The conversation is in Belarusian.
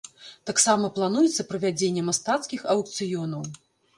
Таксама плануецца правядзенне мастацкіх аўкцыёнаў.